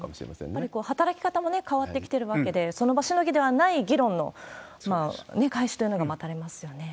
やっぱり働き方も変わってきてるわけで、その場しのぎではない議論の開始というのが待たれますよね。